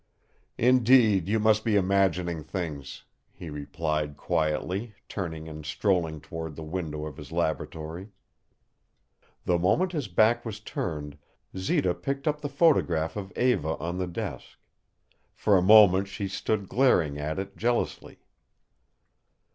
"Indeed, you must be imagining things," he replied, quietly, turning and strolling toward the window of his laboratory. The moment his back was turned Zita picked up the photograph of Eva on the desk. For a moment she stood glaring at it jealously.